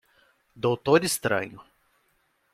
Doutor Estranho.